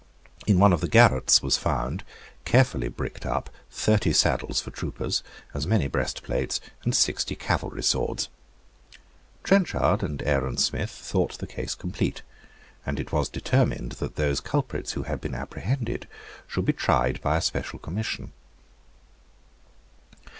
In one of the garrets were found, carefully bricked up, thirty saddles for troopers, as many breastplates, and sixty cavalry swords. Trenchard and Aaron Smith thought the case complete; and it was determined that those culprits who had been apprehended should be tried by a special commission.